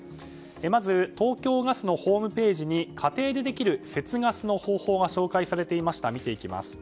まず、東京ガスのホームページに家庭でできる節ガスの方法が紹介されていました。